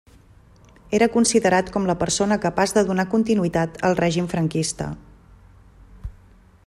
Era considerat com la persona capaç de donar continuïtat al règim franquista.